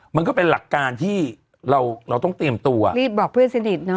มันก็เป็นหลักการที่เราเราต้องเตรียมตัวรีบบอกเพื่อนสนิทเนอ